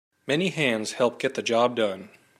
Many hands help get the job done.